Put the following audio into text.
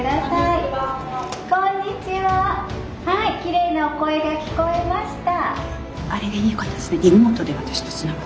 はいきれいなお声が聞こえました。